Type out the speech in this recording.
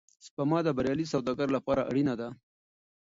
سپما د بریالي سوداګر لپاره اړینه ده.